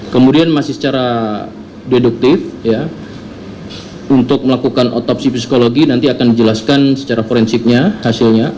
kemudian masih secara deduktif untuk melakukan otopsi psikologi nanti akan dijelaskan secara forensiknya hasilnya